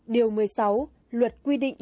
điều một mươi sáu luật quy định